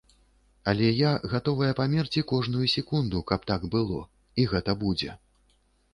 Але я гатовая памерці кожную секунду, каб так было, і гэта будзе.